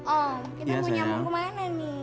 om kita mau nyamuk kemana nih